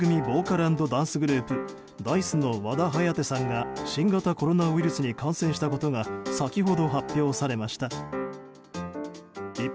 ５人組ボーカル＆ダンスグループダイスの和田颯さんが新型コロナウイルスに感染したことが先ほど、発表されました。